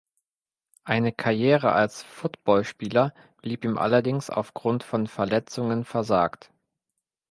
Eine Karriere als Footballspieler blieb ihm allerdings aufgrund von Verletzungen versagt.